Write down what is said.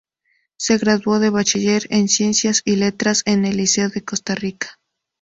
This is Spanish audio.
Se graduó de Bachiller en Ciencias y Letras en el Liceo de Costa Rica.